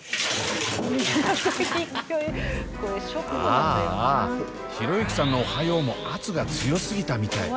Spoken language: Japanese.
ああ博之さんの「おはよう」も圧が強すぎたみたい。